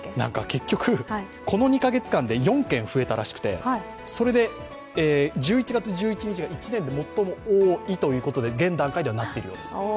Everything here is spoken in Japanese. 結局、この２カ月間で４件増えたらしくてそれで１１月１１日が一年で最も多いということに現段階ではなっているようです。